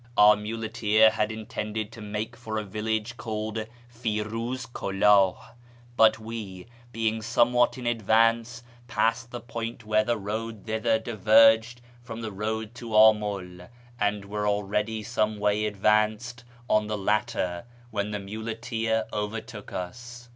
Our muleteer had intended to make for a village called Eiruz Kulah, but we, being somewhat in advance, passed the point where the road thither diverged from the road to Amul, and were already some way advanced on the latter when the muleteer overtook us.